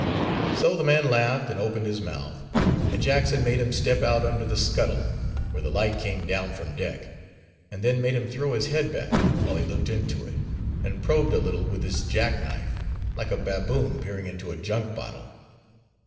So the man laughed, and opened his mouth; and Jackson made him step out under the scuttle, where the light came down from deck; and then made him throw his head back, while he looked into it, and probed a little with his jackknife, like a baboon peering into a junk bottle.